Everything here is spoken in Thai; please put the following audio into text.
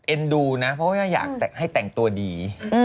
ดูนะเพราะว่าอยากให้แต่งตัวดี